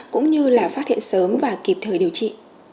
cũng như là phát hiện sớm và kịp thời điều trị